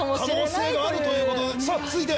可能性もあるということでさぁ続いて。